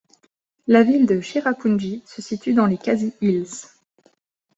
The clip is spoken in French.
La ville de Cherrapunji se situe dans les Khasi Hills.